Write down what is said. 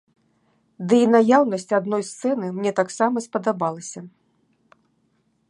Ды і наяўнасць адной сцэны мне таксама спадабалася.